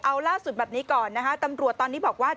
เอาล่าสุดแบบนี้ก่อนนะคะตำรวจตอนนี้บอกว่า